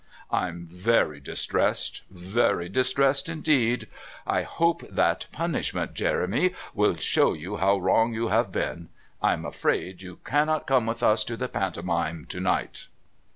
"I'm very distressed very distressed indeed. I hope that punishment, Jeremy, will show you how wrong you have been. I'm afraid you cannot come with us to the Pantomime to night."